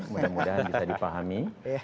mudah mudahan bisa dipahami